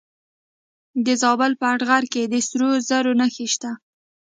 د زابل په اتغر کې د سرو زرو نښې شته.